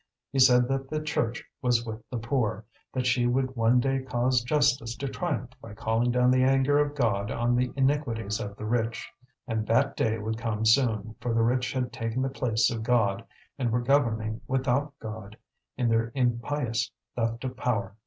He said that the Church was with the poor, that she would one day cause justice to triumph by calling down the anger of God on the iniquities of the rich. And that day would come soon, for the rich had taken the place of God, and were governing without God, in their impious theft of power.